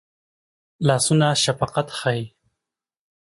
لاسونه شفقت ښيي